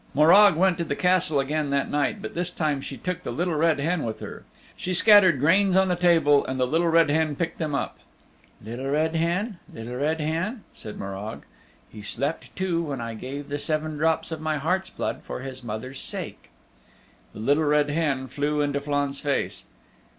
Morag went to the Castle again that night, but this time she took the Little Red Hen with her. She scattered grains on the table and the Little Red Hen picked them up. "Little Hen, Little Red Hen," said Morag, "he slept too when I gave the seven drops of my heart's blood for his mother's sake." The Little Red Hen flew into Flann's face.